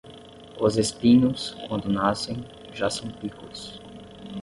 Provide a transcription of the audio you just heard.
Os espinhos, quando nascem, já são picos.